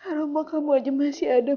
haramah kamu aja masih ada mas